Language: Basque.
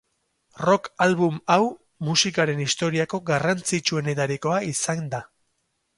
Rock album hau musikaren historiako garrantzitsuenetarikoa izan da.